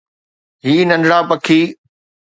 هي ننڍڙا پکي